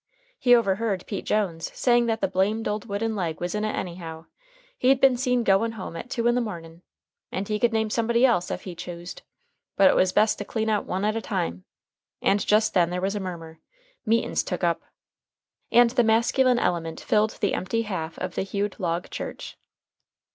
He overheard Pete Jones saying that the blamed old wooden leg was in it anyhow. He'd been seen goin' home at two in the mornin'. And he could name somebody else ef he choosed. But it was best to clean out one at a time. And just then there was a murmur: "Meetin's took up." And the masculine element filled the empty half of the "hewed log" church.